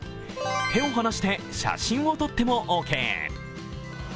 手を放して写真を撮ってもオーケー。